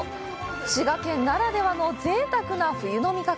滋賀県ならではのぜいたくな冬の味覚！